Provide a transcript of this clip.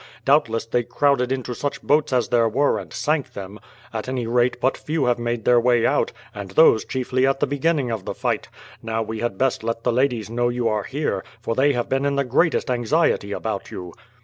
Doubtless they crowded into such boats as there were and sank them. At any rate, but few have made their way out, and those chiefly at the beginning of the fight. Now we had best let the ladies know you are here, for they have been in the greatest anxiety about you."